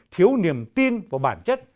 thiếu niềm tin vào bản chất